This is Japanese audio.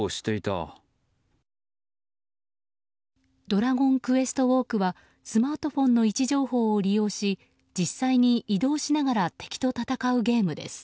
「ドラゴンクエストウォーク」はスマートフォンの位置情報を利用し実際に移動しながら敵と戦うゲームです。